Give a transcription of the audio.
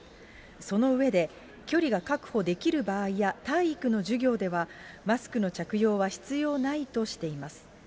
その上で、距離が確保できる場合や体育の授業では、マスクの着用は必要ないとしています。